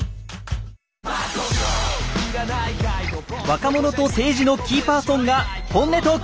若者と政治のキーパーソンが本音トーク。